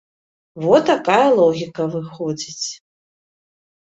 Во такая логіка выходзіць.